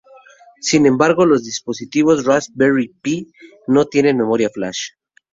Sin embargo los dispositivos Raspberry Pi no tienen memoria flash.